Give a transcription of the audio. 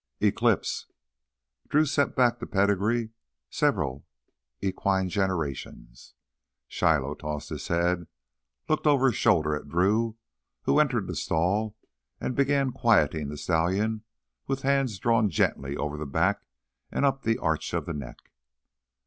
"Eclipse...." Drew set back the pedigree several equine generations. Shiloh tossed his head, looked over his shoulder at Drew, who entered the stall and began quieting the stallion with hands drawn gently over the back and up the arch of the neck.